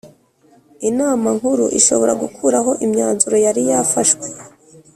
Inama Nkuru ishobora gukuraho imyanzuro yari yafashwe